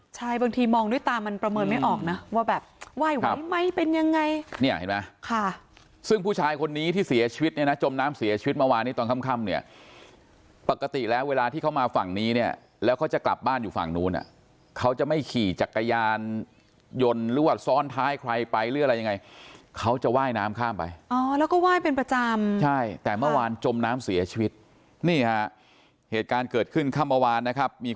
ใช่บางทีมองด้วยตามันประเมินไม่ออกนะว่าแบบไหวไหวไหมเป็นยังไงเนี่ยเห็นไหมค่ะซึ่งผู้ชายคนนี้ที่เสียชีวิตเนี่ยนะจมน้ำเสียชีวิตมาวานนี้ตอนค่ำเนี่ยปกติแล้วเวลาที่เขามาฝั่งนี้เนี่ยแล้วเขาจะกลับบ้านอยู่ฝั่งนู้นอ่ะเขาจะไม่ขี่จักรยานยนต์หรือว่าซ้อนท้ายใครไปหรืออะไรยังไงเขาจะไหว้น้ำข้าม